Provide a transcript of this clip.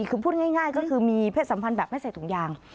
คือพูดง่ายก็คือมีเพศสัมพันธ์แบบไม่ใส่ถุงยาง